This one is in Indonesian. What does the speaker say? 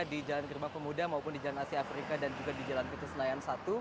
di jalan gerbang pemuda maupun di jalan asia afrika dan juga di jalan pintu senayan satu